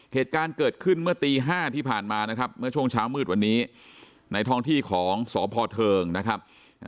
เหตุการณ์เกิดขึ้นเมื่อตี๕ที่ผ่านมานะครับเมื่อช่วงเช้ามืดวันนี้ในท้องที่ของสพเทิงนะครับ